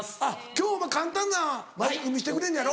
今日簡単なマジック見してくれんのやろ？